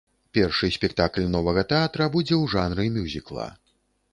Першы спектакль новага тэатра будзе ў жанры мюзікла.